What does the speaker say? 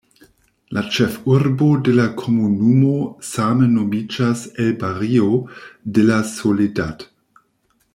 La ĉefurbo de la komunumo same nomiĝas "El Barrio de la Soledad".